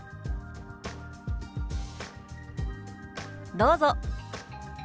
どうぞ。